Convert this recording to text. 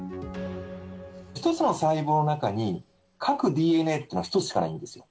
１つの細胞の中に、核ＤＮＡっていうのは１つしかないんですよ。